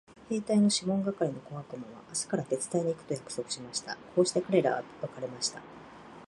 兵隊のシモン係の小悪魔は明日から手伝いに行くと約束しました。こうして彼等は別れました。